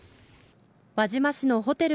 輪島市のホテル